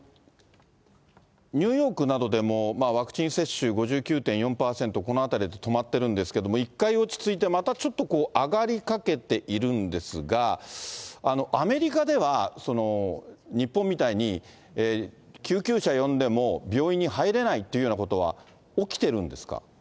ニューヨークなどでも、ワクチン接種５９．４％、この辺りで止まってるんですけども、１回落ち着いてまたちょっと上がりかけているんですが、アメリカでは日本みたいに救急車呼んでも病院に入れないというようなことは起きてるんですか？